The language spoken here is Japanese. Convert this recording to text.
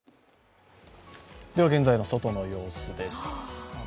現在の外の様子です。